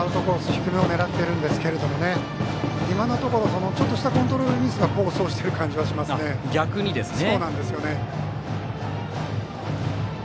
低めを狙っているんですが今のところ、ちょっとしたコントロールミスが功を奏している感じがしますね。